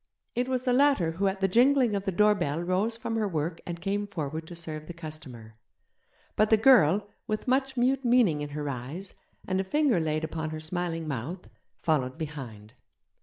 It was the latter who at the jingling of the doorbell rose from her work and came forward to serve the customer; but the girl, with much mute meaning in her eyes, and a finger laid upon her smiling mouth, followed behind.